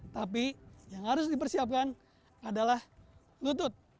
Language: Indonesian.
tapi yang harus dipersiapkan adalah lutut